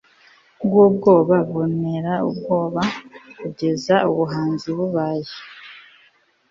bw'ubwoba buntera ubwoba kugeza ubuhanzi bubaye